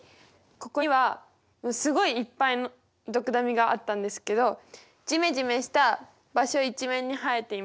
ここにはすごいいっぱいドクダミがあったんですけどじめじめした場所一面に生えていました。